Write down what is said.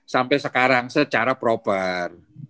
sampai sekarang secara proper